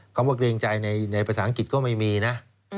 คำว่าเกรงใจในภาษาอังกฤษก็ไม่มีนะ